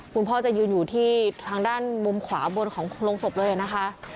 คุณพ่อจะยืนอยู่ที่ทางด้านมุมขวาบนของโรงศพเลยนะคะ